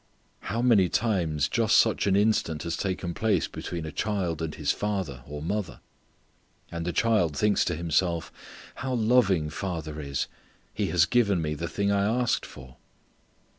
How many times just such an instance has taken place between a child and his father, or mother. And the child thinks to himself, "How loving father is; he has given me the thing I asked for."